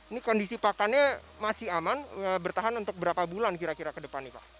ini kondisi pakannya masih aman bertahan untuk berapa bulan kira kira ke depan nih pak